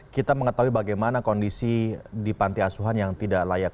kita mengetahui bagaimana kondisi di panti asuhan yang tidak layak